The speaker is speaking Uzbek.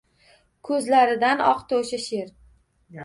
Ko’zlaridan oqdi o’sha she’r!